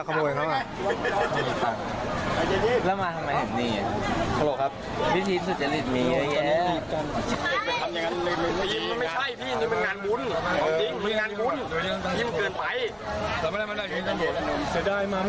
บอกว่ามันแบบนี้ไม่ดีหรอกถ้าไม่ทำมันโดนก็พื้นตายแล้ว